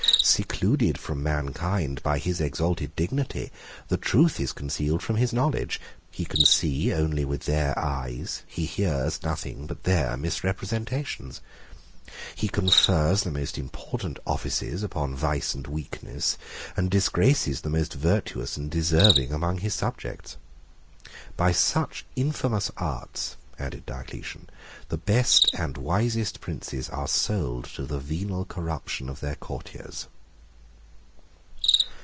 Secluded from mankind by his exalted dignity, the truth is concealed from his knowledge; he can see only with their eyes, he hears nothing but their misrepresentations. He confers the most important offices upon vice and weakness, and disgraces the most virtuous and deserving among his subjects. By such infamous arts," added Diocletian, "the best and wisest princes are sold to the venal corruption of their courtiers."